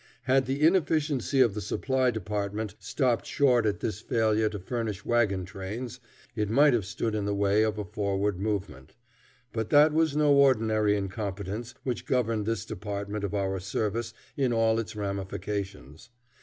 Had the inefficiency of the supply department stopped short at its failure to furnish wagon trains, it might have stood in the way of a forward movement. But that was no ordinary incompetence which governed this department of our service in all its ramifications.